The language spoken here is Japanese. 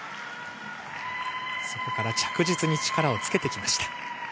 そこから着実に力をつけてきました。